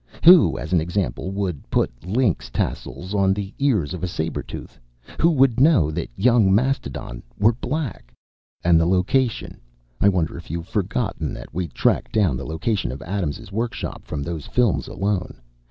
Who, as an example, would put lynx tassels on the ears of a saber tooth? Who would know that young mastodon were black? "And the location. I wonder if you've forgotten that we tracked down the location of Adams' workshop from those films alone.